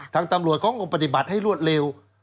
ทางตำรวจเขาก็ปฏิบัติให้รวดเร็ว